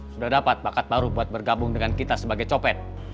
sudah dapat bakat baru buat bergabung dengan kita sebagai copet